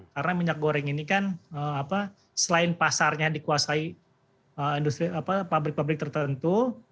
karena minyak goreng ini kan selain pasarnya dikuasai industri apa pabrik pabrik tertentu